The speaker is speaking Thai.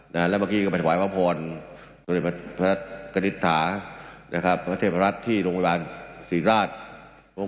และเมื่อกี้ก็ไปถ่วายวะพรสูญพระธรรมดินิษฐาพระเทพดิบาลรัฐที่โรงยบราชสีซราช